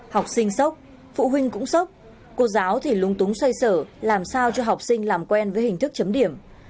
học sinh sốc phụ huynh cũng sốc cô giáo thì lung túng xoay sở làm sao cho học sinh làm quen với hình thức chấm điểm